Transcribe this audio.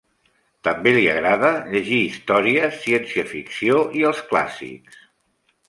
També li agrada llegir història, ciència ficció i els clàssics.